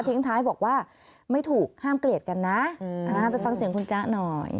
ท้ายบอกว่าไม่ถูกห้ามเกลียดกันนะไปฟังเสียงคุณจ๊ะหน่อย